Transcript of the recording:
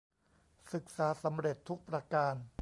ศึกษาสำเร็จทุกประการ